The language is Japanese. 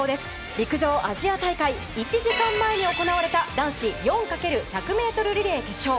陸上アジア大会１時間前に行われた男子４×１００ｍリレー決勝。